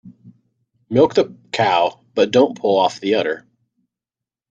Milk the cow but don't pull off the udder.